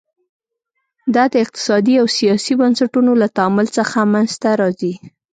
دا د اقتصادي او سیاسي بنسټونو له تعامل څخه منځته راځي.